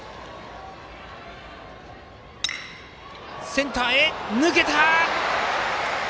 センターへ、抜けた！